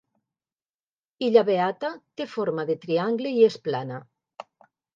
Illa Beata té forma de triangle i és plana.